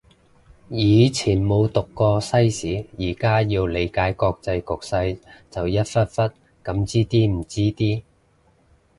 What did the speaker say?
以前冇讀過西史，而家要理解國際局勢就一忽忽噉知啲唔知啲